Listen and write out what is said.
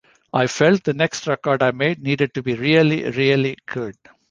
I felt the next record I made needed to be really, really good.